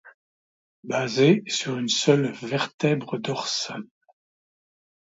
Basé sur une seule vertèbre dorsale.